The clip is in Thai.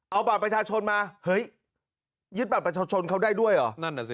เอาบัตรประชาชนมาเฮ้ยยึดบัตรประชาชนเขาได้ด้วยเหรอนั่นน่ะสิ